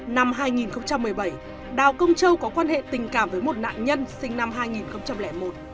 năm hai nghìn một mươi bảy đào công châu có quan hệ tình cảm với một nạn nhân sinh năm hai nghìn một